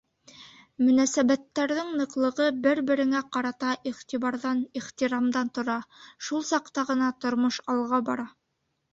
Мөнәсәбәттәрҙең ныҡлығы, бер-береңә ҡарата иғтибарҙан, ихтирамдан тора, шул саҡта ғына тормош алға бара.